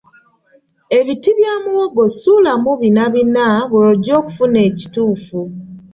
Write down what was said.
Ebiti bya muwogo suulamu bina bina lw'ojja okufuna ekituufu.